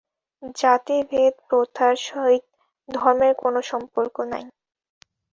জাতিভেদ-প্রথার সহিত ধর্মের কোন সম্পর্ক নাই।